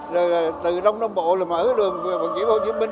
rồi là từ đông nam bộ là mở cái đường gọi chuyển hồ chí minh